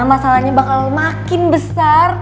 masalahnya bakal makin besar